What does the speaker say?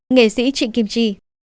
nghệ sĩ trịnh kim chi